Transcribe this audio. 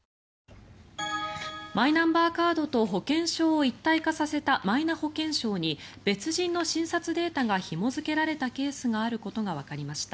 マイナンバーカードと保険証を一体化させたマイナ保険証に別人の診察データがひも付けられたケースがあることがわかりました。